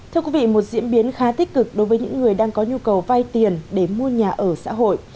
thưa quý vị một diễn biến khá tích cực đối với những người đang có nhu cầu vay tiền để mua nhà ở xã hội